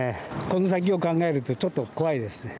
この先を考えるとちょっと怖いですね。